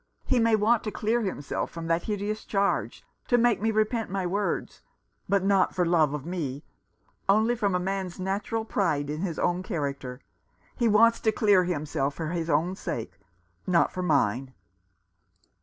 He may want to clear himself from that hideous charge, to make me repent my words ; but not for love of me ; only from a man's natural pride in his own character. He wants to clear himself for his own sake, not for mine."